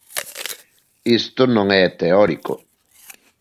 Isto non é teórico.